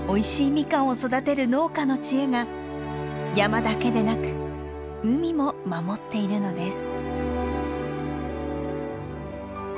ミカンを育てる農家の知恵が山だけでなく海も守っているのです。